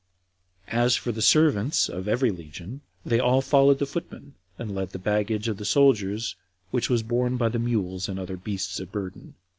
As for the servants of every legion, they all followed the footmen, and led the baggage of the soldiers, which was borne by the mules and other beasts of burden.